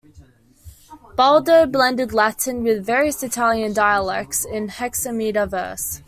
"Baldo" blended Latin with various Italian dialects in hexameter verse.